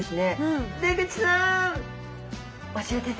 出口さん！